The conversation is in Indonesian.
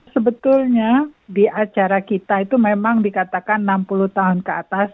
sebetulnya di acara kita itu memang dikatakan enam puluh tahun ke atas